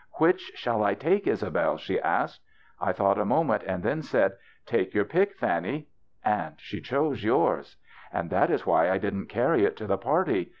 ' Which shall I take, Isabelle ?' she asked. I thought a moment and then said, ' Take your pick, Fannie.' And she chose yours. And that is why I didn't carry it to the party.